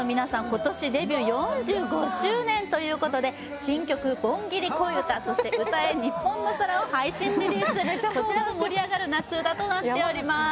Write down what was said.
今年デビュー４５周年ということで新曲「盆ギリ恋歌」そして「歌えニッポンの空」を配信リリースこちらも盛り上がる夏うたとなっております